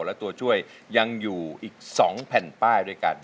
และตัวช่วยยังอยู่อีก๒แผ่นป้ายด้วยกัน